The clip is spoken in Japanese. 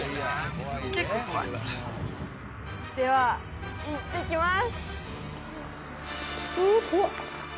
ではいってきます！